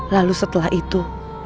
lalu setelah itu